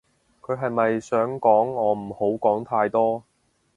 佢係咪想講我唔好講太多